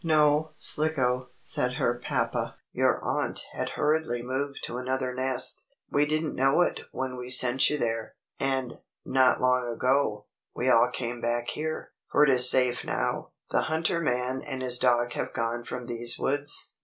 "No, Slicko," said her papa, "your aunt had hurriedly moved to another nest. We didn't know it when we sent you there. And, not long ago, we all came back here. For it is safe now. The hunter man and his dog have gone from these woods."